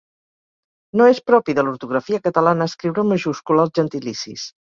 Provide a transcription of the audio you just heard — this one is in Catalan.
No és propi de l'ortografia catalana escriure amb majúscula els gentilicis.